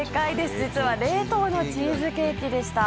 実は冷凍のチーズケーキでした。